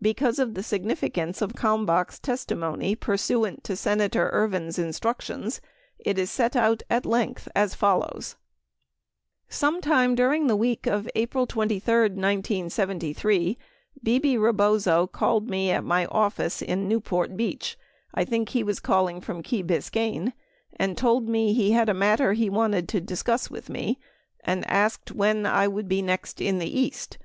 Because of the significance of Kalmbach's testimony pursuant to Senator Ervin's instructions, it is set out at length, as follows :sometime during the week of April 23, 1973, Bebe Rebozo called me at my office in Newport Beach, I think he was calling from Key Biscayne and told me he had a matter he wanted to discuss with me and asked when I would be next in the East.